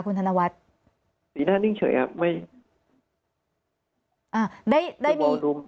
คุณธนวัฒน์สีหน้านิ่งเฉยครับไม่อ่าได้ได้มีรุม